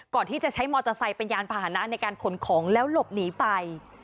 ก่อนที่จะใช้มอเตอร์ไซค์เป็นยานพาหนะในการขนของแล้วหลบหนีไป